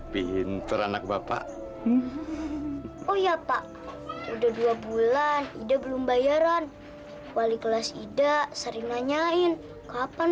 pinter anak bapak oh ya pak udah dua bulan ida belum bayaran wali kelas ida sering nanyain kapan